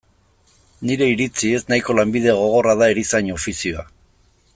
Nire iritziz, nahiko lanbide gogorra da erizain ofizioa.